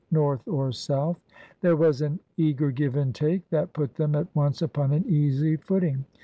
North or South. There was an eager give and take that put them at once upon an easy footing.